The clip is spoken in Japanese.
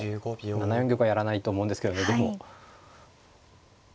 ７四玉はやらないと思うんですけどねでも。